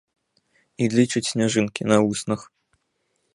І лічыць сняжынкі на вуснах.